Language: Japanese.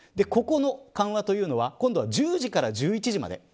ここの緩和というのは今度は１０時から１１時まで。